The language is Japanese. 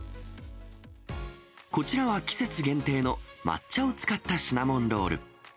こちらは、季節限定の抹茶を使ったシナモンロール。